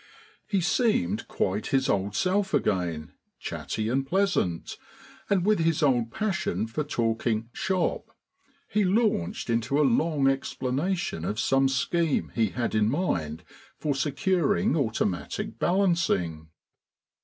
He seemed quite his old self again, chatty and pleasant, and with his old passion for talking "shop." He launched into a long explanation of some scheme he had in mind for securing automatic balancing.